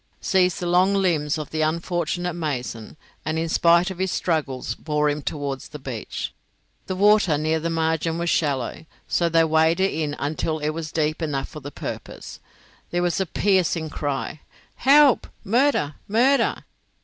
seized the long limbs of the unfortunate Mason, and in spite of his struggles bore him towards the beach. The water near the margin was shallow, so they waded in until it was deep enough for their purpose. There was a piercing cry, "Help! murder! murder!"